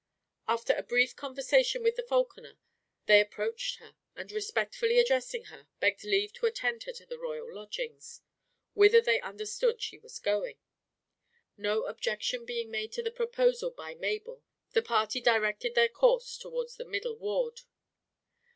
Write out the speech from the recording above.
After a brief conversation with the falconer they approached her, and, respectfully addressing her, begged leave to attend her to the royal lodgings, whither they understood she was going. No objection being made to the proposal by Mabel, the party directed their course towards the middle ward.